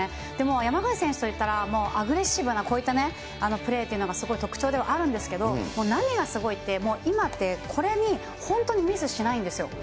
山口選手といったら、アグレッシブなこういったプレーというのがすごい特徴であるんですけれども、何がすごいって、今ってこれに本当にミスしないんですよ。